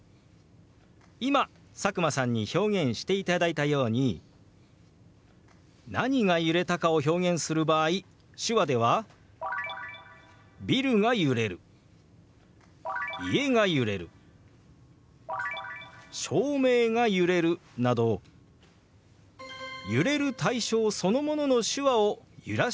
今佐久間さんに表現していただいたように何が揺れたかを表現する場合手話では「ビルが揺れる」「家が揺れる」「照明が揺れる」など揺れる対象そのものの手話を揺らして表すんです。